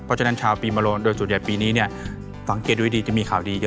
เพราะฉะนั้นชาวปีมโรงโดยสุดยอดปีนี้เนี่ยฟังเกลียดด้วยดีจะมีข่าวดีเยอะ